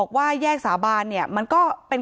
การแก้เคล็ดบางอย่างแค่นั้นเอง